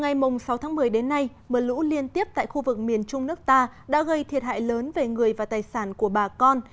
từ ngày sáu tháng một mươi đến nay mưa lũ liên tiếp tại khu vực miền trung nước ta đã gây thiệt hại lớn về người và tài sản của bà con